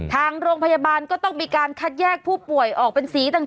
ทางโรงพยาบาลก็ต้องมีการคัดแยกผู้ป่วยออกเป็นสีต่าง